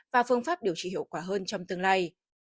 và phương pháp điều trị hiệu quả hơn trong tương lai